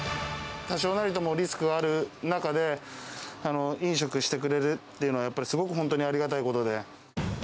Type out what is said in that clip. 多少なりともリスクがある中で、飲食してくれるっていうのは、やっぱりすごく、本当にありがたいことで。